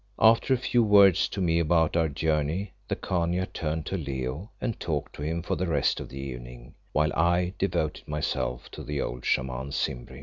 After a few words to me about our journey, the Khania turned to Leo and talked to him for the rest of the evening, while I devoted myself to the old Shaman Simbri.